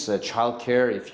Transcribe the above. semua hal ini diberikan